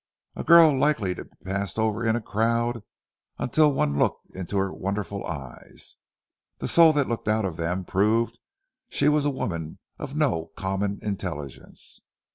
A girl likely to be passed over in a crowd until one looked into her wonderful eyes. The soul that looked out of them proved she was a woman of no common intelligence.